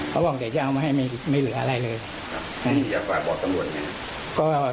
เขาบอกเดี๋ยวจะเอามาให้ไม่ไม่เหลืออะไรเลยครับอืมอยากฝากบอกตำลวดไง